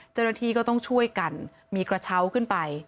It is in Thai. เจ้าหน้าที่ก็ต้องช่วยกันมีกระเช้าขึ้นไป